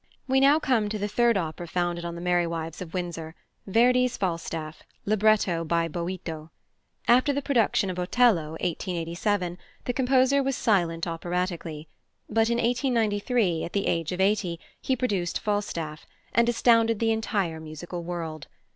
We now come to the third opera founded on The Merry Wives of Windsor, +Verdi's+ Falstaff, libretto by Boito. After the production of Otello, 1887, the composer was silent operatically; but in 1893, at the age of eighty, he produced Falstaff, and astounded the entire musical world.